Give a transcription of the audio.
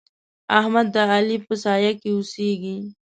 احمد د علي په سايه کې اوسېږي.